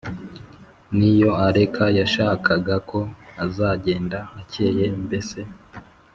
niyo areka yashakaga ko azagenda akeye mbese